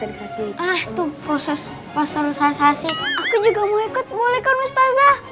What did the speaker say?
itu proses pasteurisasi aku juga mau ikut bolehkan mustazah